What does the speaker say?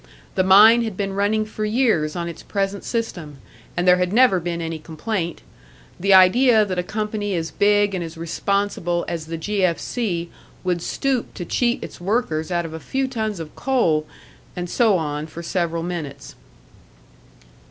The mine had been running for years on its present system, and there had never been any complaint. The idea that a company as big and as responsible as the "G. F. C." would stoop to cheat its workers out of a few tons of coal! And so on, for several minutes.